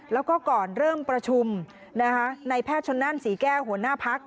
แล้วก็ก่อนเริ่มประชุมในแพทย์ชนนั่นศรีแก้วหัวหน้าพัก